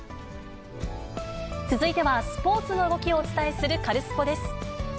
続いてはスポーツの動きをお伝えする、カルスポっ！です。